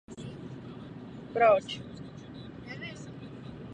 Po ukončení aktivní kariéry začal pracovat jako hokejový trenér.